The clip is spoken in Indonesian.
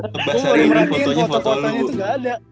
tuh bahas hari ini fotonya foto lo bu